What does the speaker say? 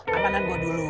amanan gue dulu